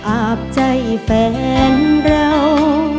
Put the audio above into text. อาบใจแฟนเรา